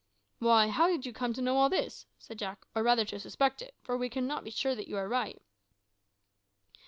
"Why, how did you come to know all this," said Jack, "or rather to suspect it? for you cannot be sure that you are right."